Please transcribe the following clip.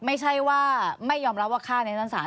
ไม่ใช่ว่าไม่ยอมรับว่าฆ่าในชั้นศาล